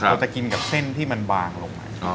เราจะกินกับเส้นที่มันวางออกมา